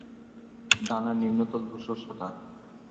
ডানার নিম্নতল ধূসর সাদা।